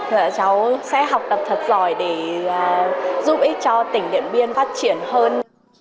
là cháu sẽ học tập thật giỏi để giúp ích cho tỉnh điện biên phát triển hơn